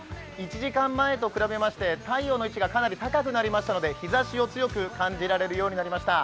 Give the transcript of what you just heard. １時間前と比べまして太陽の位置がかなり高くなりましたので日ざしを強く感じられるようになりました。